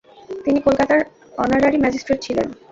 তিনি কলকাতার honorary magistrate ছিলেন।